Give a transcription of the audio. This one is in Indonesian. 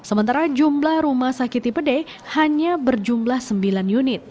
sementara jumlah rumah sakit tipe d hanya berjumlah sembilan unit